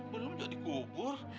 belum juga dikubur